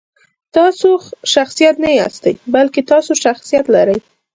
تاسو شخصیت نه یاستئ، بلکې تاسو شخصیت لرئ.